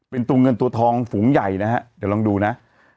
เป็นตัวเงินตัวทองฝูงใหญ่นะฮะเดี๋ยวลองดูนะ